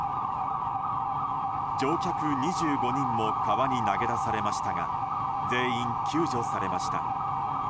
乗客２５人も川に投げ出されましたが全員救助されました。